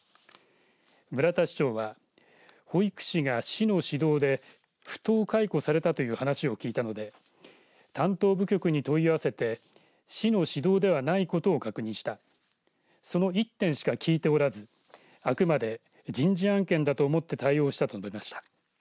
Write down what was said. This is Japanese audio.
村田市長は保育士が市の指導で不当解雇されたという話を聞いたので担当部局に問い合わせて市の指導ではないことを確認したその１点しか聞いておらずあくまで人事案件だと思って対応したと述べました。